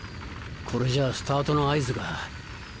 これじゃあスタートの合図が